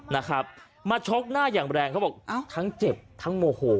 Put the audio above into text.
นะครับมาชกหน้าอย่างแรงเขาบอกอ้าวทั้งเจ็บทั้งโมโห